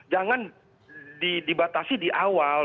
jangan dibatasi di awal